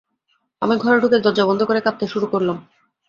আমি ঘরে ঢুকে দরজা বন্ধ করে কাঁদতে শুরু করলাম।